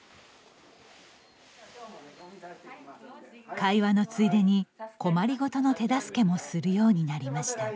会話のついでに、困りごとの手助けもするようになりました。